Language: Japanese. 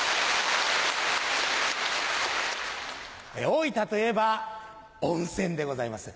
大分といえば温泉でございます。